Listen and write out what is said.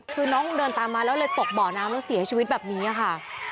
คือน้องเดินตามมาแล้วเลยตกบ่อน้ำแล้วเสียชีวิตแบบนี้ค่ะ